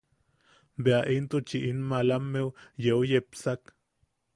Bea intuchi in malammeu yeu yepsak...